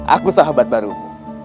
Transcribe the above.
aku sahabat barumu